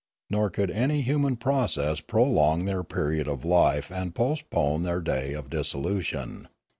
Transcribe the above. Nor could any human process prolong their period of life and postpone their day of dissolution.